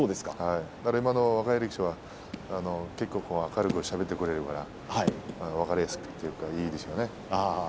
今の若い力士は結構明るくしゃべってくれますからね分かりやすくいいですね。